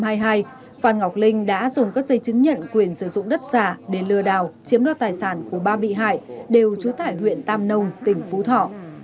phan ngọc linh đã dùng các dây chứng nhận quyền sử dụng đất giả để lừa đảo chiếm đoạt tài sản của ba bị hại đều trú tại huyện tam nông tỉnh phú thọ